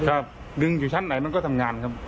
ดึงอยู่ชั้นไหนมันก็ทำงานครับ